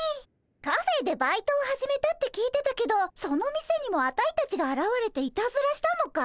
カフェでバイトを始めたって聞いてたけどその店にもアタイたちがあらわれていたずらしたのかい？